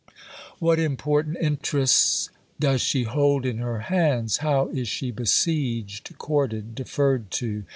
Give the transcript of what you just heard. What important interests does she hold in her hands! How is she besieged, courted, deferred to!